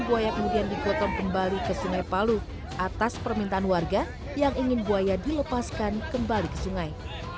buaya kemudian dipotong kembali ke sungai palu atas permintaan warga yang ingin buaya dilepaskan kembali ke sungai